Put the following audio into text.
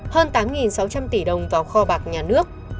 hơn tám sáu trăm linh tỷ đồng vào kho bạc nhà nước